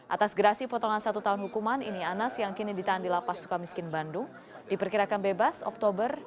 atas grasi potongan satu tahun hukuman ini anas yang kini ditahan di lapas sukamiskin bandung diperkirakan bebas oktober dua ribu dua puluh